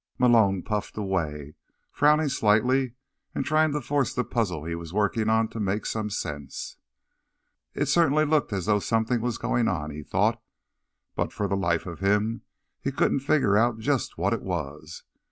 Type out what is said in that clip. Malone puffed away, frowning slightly and trying to force the puzzle he was working on to make some sense. It certainly looked as though something were going on, he thought. But, for the life of him, he couldn't figure out just what it was.